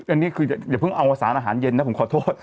อันนี้คืออย่าเพิ่งเอาสารอาหารเย็นนะผมขอโทษ